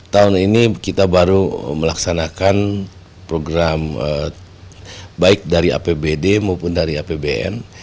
tahun ini kita baru melaksanakan program baik dari apbd maupun dari apbn